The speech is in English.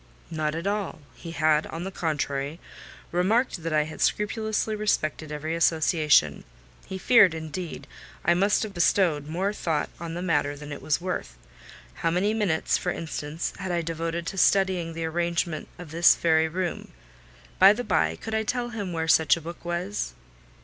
"Not at all; he had, on the contrary, remarked that I had scrupulously respected every association: he feared, indeed, I must have bestowed more thought on the matter than it was worth. How many minutes, for instance, had I devoted to studying the arrangement of this very room?—By the bye, could I tell him where such a book was?"